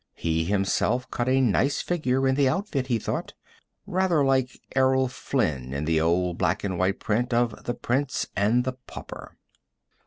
He himself cut a nice figure in the outfit, he thought rather like Errol Flynn in the old black and white print of "The Prince and the Pauper."